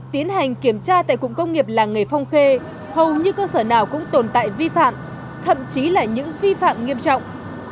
tiến hành kiểm tra tại cụng công nghiệp làng nghề phong khê hầu như cơ sở nào cũng tồn tại vi phạm thậm chí là những vi phạm nghiêm trọng